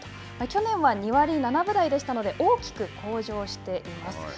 去年は２割７分台でしたので大きく向上しています。